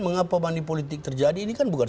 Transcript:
mengapa banding politik terjadi ini kan bukan